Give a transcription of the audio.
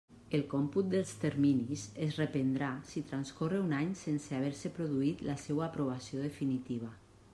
El còmput dels terminis es reprendrà si transcorre un any sense haver-se produït la seua aprovació definitiva.